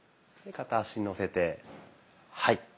片足にのせてはい。